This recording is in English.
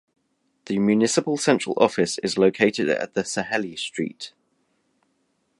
The Municipal central office is located at the Saheli Street.